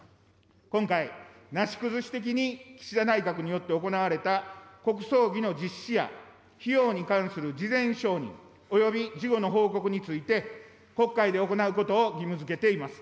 今回、なし崩し的に岸田内閣によって行われた国葬儀の実施や費用に関する事前承認、及び事後の報告について、国会で行うことを義務づけています。